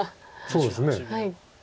そうですね。